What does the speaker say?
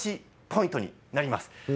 ポイントになります。